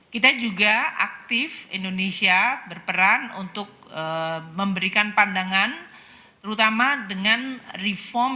kita juga aktif indonesia berperan untuk memberikan pandangan terutama dengan reform